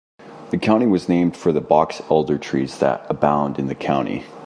The county was named for the box elder trees that abound in the county.